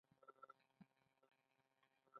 بې پوښتنې ملا ورتړي.